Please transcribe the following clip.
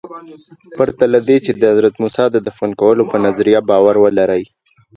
پرته له دې چې د حضرت موسی د دفن کولو په نظریه باور ولرئ.